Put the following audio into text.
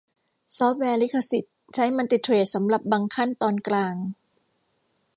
ซอฟต์แวร์ลิขสิทธิ์ใช้มัลติเธรดสำหรับบางขั้นตอนกลาง